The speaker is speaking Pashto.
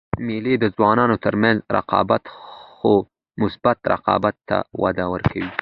مېلې د ځوانانو تر منځ رقابت؛ خو مثبت رقابت ته وده ورکوي.